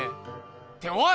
っておい！